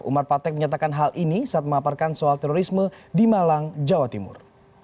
umar patek menyatakan hal ini saat memaparkan soal terorisme di malang jawa timur